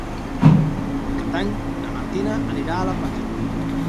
Per Cap d'Any na Martina anirà a la platja.